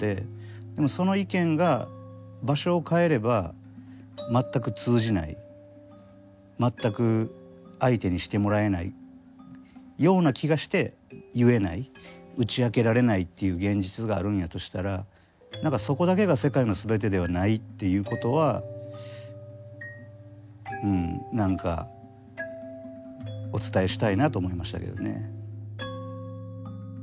でもその意見が場所を変えれば全く通じない全く相手にしてもらえないような気がして言えない打ち明けられないっていう現実があるんやとしたら何かそこだけが世界のすべてではないっていうことはうん何かお伝えしたいなと思いましたけどね。